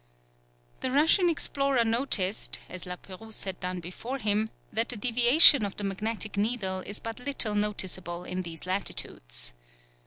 The Russian explorer noticed, as La Pérouse had done before him, that the deviation of the magnetic needle is but little noticeable in these latitudes.